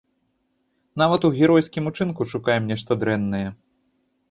Нават у геройскім учынку шукаем нешта дрэннае.